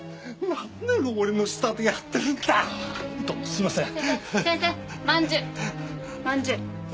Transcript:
ああすいません。